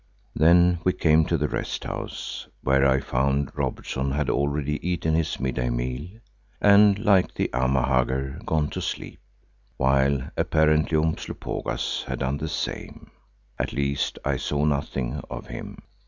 Then we came to the rest house where I found that Robertson had already eaten his midday meal and like the Amahagger gone to sleep, while apparently Umslopogaas had done the same; at least I saw nothing of him.